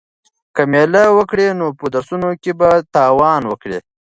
که مېله وکړې نو په درسونو کې به تاوان وکړې.